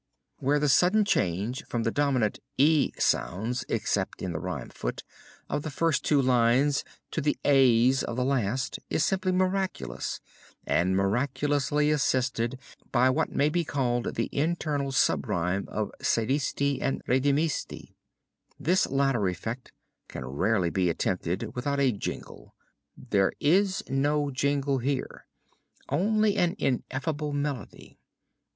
where the sudden change from the dominant e sounds (except in the rhyme foot) of the first two lines to the a's of the last is simply miraculous and miraculously assisted by what may be called the internal sub rhyme of sedisti and redemisti. This latter effect can rarely be attempted without a jingle: there is no jingle here, only an ineffable melody.